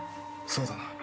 そうだな。